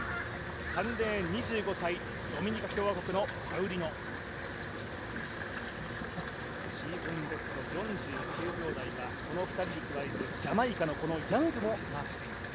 ３レーン、２５歳、ドミニカ共和国のパウリノシーズンベスト４９秒台はその２人に加えて、ジャマイカのヤングもマークしています。